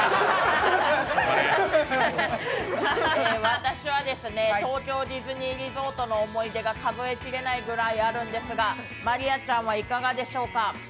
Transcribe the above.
私は東京ディズニーリゾートの思い出が数えきれないぐらいあるんですが、真莉愛ちゃんはいかがでしょうか？